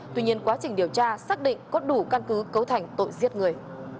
tuy nhiên quá trình điều tra xác định có đủ căn cứ cấu thành tội giết người